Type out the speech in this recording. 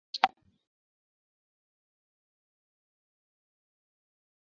埃斯珀泽人口变化图示